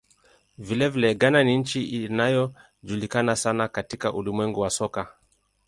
Vilevile, Ghana ni nchi inayojulikana sana katika ulimwengu wa soka.